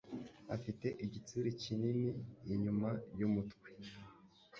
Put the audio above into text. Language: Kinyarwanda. afite igitsure kinini inyuma yumutwe.